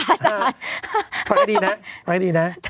ฟังให้ดีนะฟังให้ดีนะ